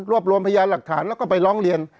รวมรวมพยานหลักฐานแล้วก็ไปร้องเรียน